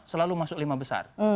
selalu masuk lima besar